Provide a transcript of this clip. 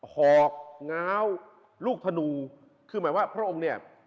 หอกง้าวลูกธนูคือหมายว่าพระองค์เนี่ย